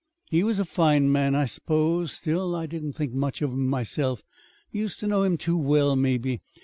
He was a fine man, I s'pose. Still, I didn't think much of him myself. Used to know him too well, maybe.